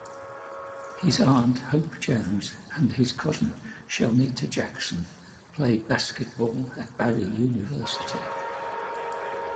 His aunt, Hope Jones, and his cousin, Shelnita Jackson, played basketball at Barry University.